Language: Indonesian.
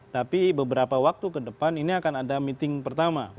tapi beberapa waktu ke depan ini akan ada meeting pertama